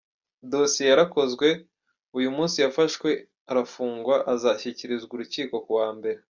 Dosiye yarakozwe , uyu munsi yafashwe arafungwa azashyikirizwa urukiko ku wa Mbere.